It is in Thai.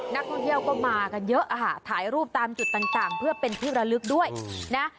นักท่องเที่ยวก็มากันเยอะค่ะถ่ายรูปตามจุดต่างเพื่อเป็นที่ระลึกด้วยนะ